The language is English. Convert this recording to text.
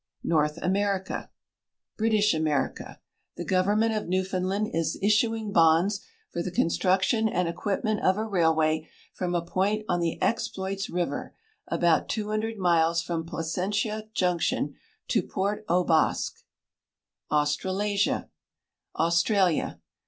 NORTH AMERICA British A.merica. The government of Newfoundland is issuing bonds for the construction and equipment of a railway from a point on the Ex ploits river about 200 miles from Placentia Junction to Port aux Basques. AUSTRALASIA Au.str.\li.\.